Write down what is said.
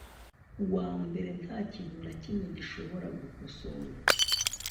ku wa mbere nta kintu na kimwe gishobora gukosorwa